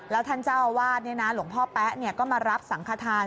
แล้วท่านเจ้าอาวาสหลวงพ่อแป๊ะก็มารับสังขทาน